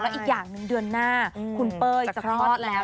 อีกอย่างหนึ่งเดือนหน้าคุณเป้ยจะคลอดแล้ว